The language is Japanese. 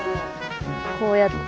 こうやって。